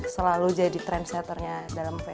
selalu jadi trendsetternya dalam fase